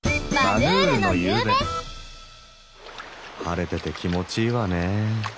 晴れてて気持ちいいわね。